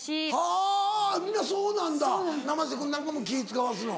はぁ皆そうなんだ生瀬君なんかも気ぃ使わすの？